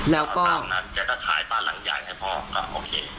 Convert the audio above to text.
แล้วก็ตามนั้นจะได้ถ่ายปลาหลังใหญ่ให้พอก็โอเค